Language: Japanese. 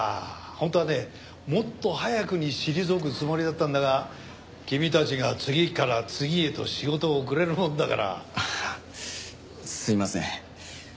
本当はねもっと早くに退くつもりだったんだが君たちが次から次へと仕事をくれるもんだから。ああすいません。